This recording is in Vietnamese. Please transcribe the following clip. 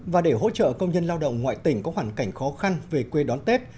và để hỗ trợ công nhân lao động ngoại tỉnh có hoàn cảnh khó khăn về quê đón tết